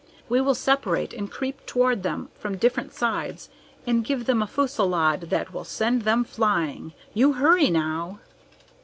We will separate and creep toward them from different sides and give them a fusillade that will send them flying. You hurry, now!"